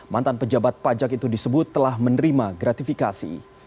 mantan pejabat pajak itu disebut telah menerima gratifikasi